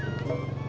terima kasih pak